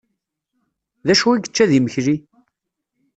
D acu i yečča d imekli?